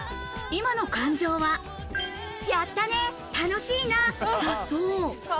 今の感情は、やったね、楽しいなだそう。